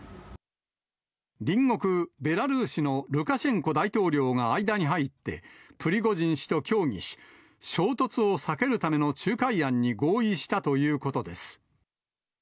隣国ベラルーシのルカシェンコ大統領が間に入って、プリゴジン氏と協議し、衝突を避けるための仲介案に合意したということです。